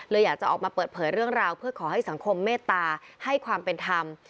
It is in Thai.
อยากจะออกมาเปิดเผยเรื่องราวเพื่อขอให้สังคมเมตตาให้ความเป็นธรรม